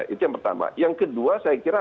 itu yang pertama yang kedua saya kira